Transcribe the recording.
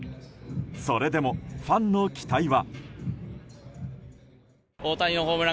それでも、ファンの期待は。